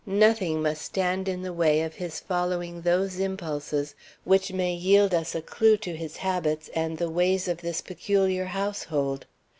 Nothing must stand in the way of his following those impulses which may yield us a clew to his habits and the ways of this peculiar household.